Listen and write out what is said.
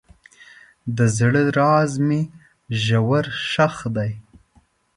د زړه راز مې ژور ښخ دی.